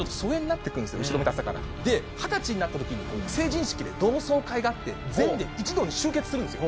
で二十歳になった時に成人式で同窓会があって全員で一堂に集結するんですよ。